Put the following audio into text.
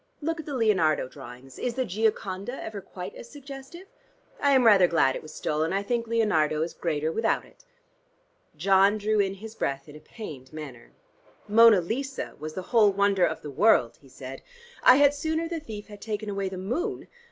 Look at the Leonardo drawings. Is the 'Gioconda' ever quite as suggestive? I am rather glad it was stolen. I think Leonardo is greater without it." John drew in his breath in a pained manner. "'Mona Lisa' was the whole wonder of the world," he said. "I had sooner the thief had taken away the moon.